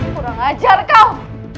kurang ajar kau